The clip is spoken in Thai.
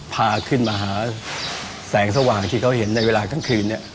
พาขึ้นมาหาแสงสว่างที่เขาเห็นในเวลาทั้งคืนเนี่ย